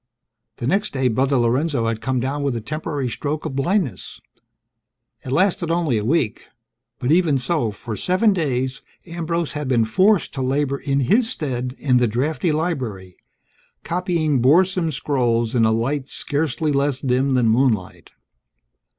The next day, Brother Lorenzo had come down with a temporary stroke of blindness it lasted only a week; but even so, for seven days Ambrose had been forced to labor in his stead in the drafty library, copying boresome scrolls in a light scarcely less dim than moonlight.